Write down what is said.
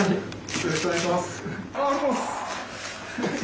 よろしくお願いします。